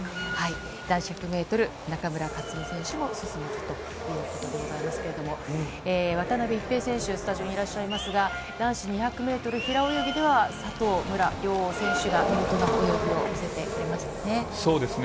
男子１００メートル、中村克選手も進まずということでございますけれども、渡辺一平選手、スタジオにいらっしゃいますが、男子２００メートル平泳ぎでは、佐藤、武良両選手が見事な泳ぎを見せてくれましたね。